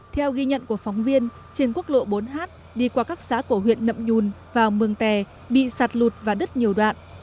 theo ghi nhận của phóng viên trên quốc lộ bốn h đi qua các xã của huyện nậm nhùn vào mường tè bị sạt lụt và đứt nhiều đoạn